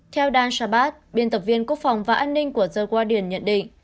theo dan shabbat biên tập viên quốc phòng và an ninh của the guardian nhận định